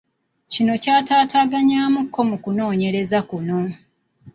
Kino kyatataaganyaamu ku kunoonyereza kuno.